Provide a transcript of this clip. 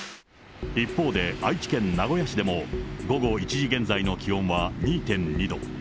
一方で、愛知県名古屋市でも午後１時現在の気温は２．２度。